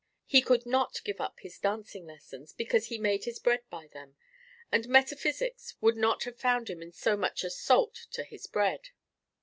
He could not give up his dancing lessons, because he made his bread by them, and metaphysics would not have found him in so much as salt to his bread.